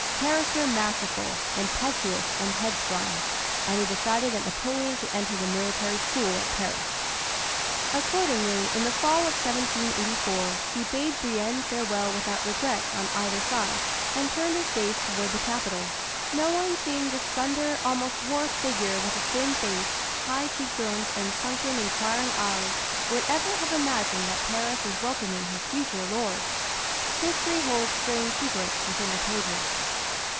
"Character masterful, impetuous and headstrong"; and he decided that Napoleon should enter the Military School at Paris. Accordingly, in the Fall of 1784, he bade Brienne farewell without regrets on either side, and turned his face toward the capital. No one seeing this slender, almost dwarfed, figure with the thin face, high cheekbones and sunken, inquiring eyes, would ever have imagined that Paris was welcoming her future lord. History holds strange secrets within her pages.